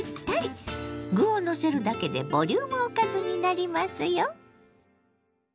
具をのせるだけでボリュームおかずになりますよ。